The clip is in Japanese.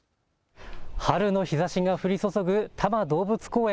春の日ざしが降り注ぐ多摩動物公園。